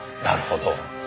なるほど。